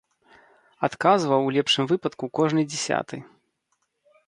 Адказваў у лепшым выпадку кожны дзясяты.